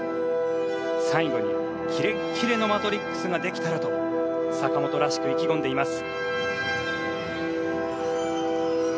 最後にキレッキレの『マトリックス』ができたらと坂本らしく意気込んでいます。